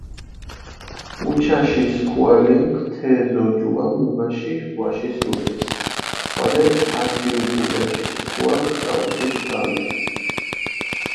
უჩაში სქუალენქ თე ზოჯუა მუმაში ვაშისრულეს, ხვალე ართი უკულაში სქუაქ წაუკითხჷ დავითნი.